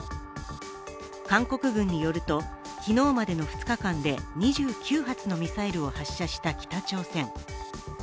韓国軍によると、昨日までの２日間で２９発のミサイルを発射した北朝鮮。